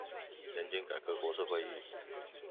年金改革國是會議